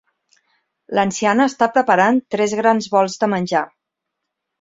L'anciana està preparant tres grans bols de menjar.